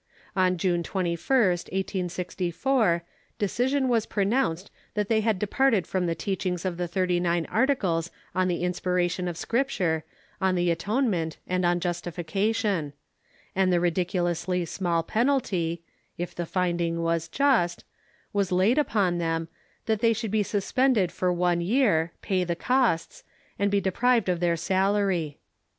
On June 21st, 1864, decision Avas pro nounced that they had departed from the teachings of the Thirty Nine Articles on the inspiration of Scripture, on the atonement, and on justification ; and the ridiculously small penalty — if the finding Avas just — Avas laid upon them, that they should be suspended for one yeai', pay the costs, and be deprived of their salarA'.